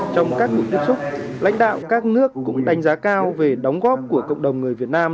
trong các cuộc tiếp xúc lãnh đạo các nước cũng đánh giá cao về đóng góp của cộng đồng người việt nam